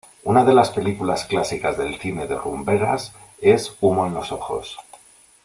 Una de las películas clásicas del cine de rumberas es "Humo en los ojos"'.